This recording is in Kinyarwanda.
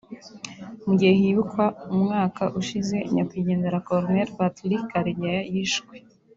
Mu gihe hibukwa umwaka ushize nyakwigendera Colonel Patrick Karegeya yishwe